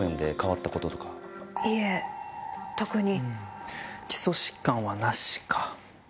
いえ特に。